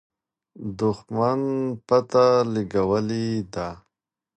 دښمن پته لګولې ده.